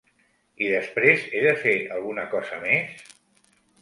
I després, he de fer alguna cosa més?